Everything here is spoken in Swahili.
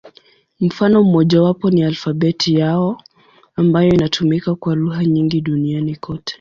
Mfano mmojawapo ni alfabeti yao, ambayo inatumika kwa lugha nyingi duniani kote.